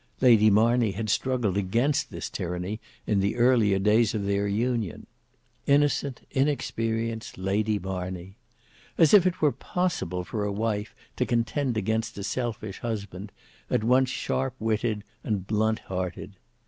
Lady Marney had struggled against this tyranny in the earlier days of their union. Innocent, inexperienced Lady Marney! As if it were possible for a wife to contend against a selfish husband, at once sharp witted and blunt hearted!